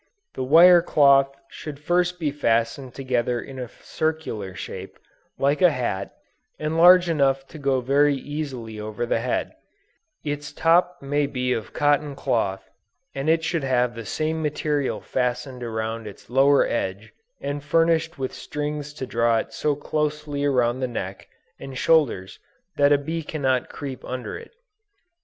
The wire cloth should first be fastened together in a circular shape, like a hat, and large enough to go very easily over the head; its top may be of cotton cloth, and it should have the same material fastened around its lower edge, and furnished with strings to draw it so closely around the neck and shoulders that a bee cannot creep under it.